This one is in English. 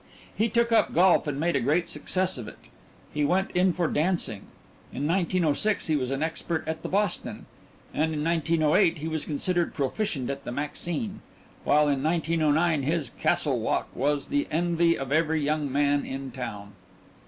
He took up golf and made a great success of it. He went in for dancing: in 1906 he was an expert at "The Boston," and in 1908 he was considered proficient at the "Maxine," while in 1909 his "Castle Walk" was the envy of every young man in town.